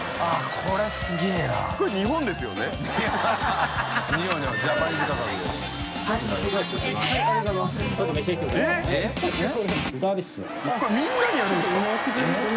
これみんなにやるんですか？